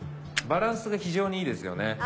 バランスが非常にいいですよね。